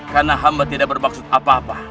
karena hamba tidak berbaksud apa apa